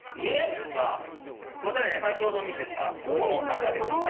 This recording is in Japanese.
こちら先ほど見せたここの中ですね。